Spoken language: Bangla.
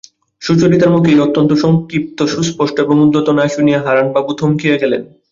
সুচরিতার মুখে এই অত্যন্ত সংক্ষিপ্ত সুস্পষ্ট এবং উদ্ধত না শুনিয়া হারানবাবু থমকিয়া গেলেন।